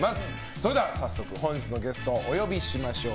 それでは本日のゲストお呼びしましょう。